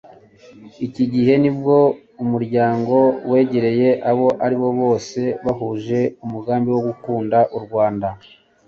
Iki gihe ni bwo Umuryango wegereye abo ari bo bose bahuje umugambi wo gukunda u Rwanda,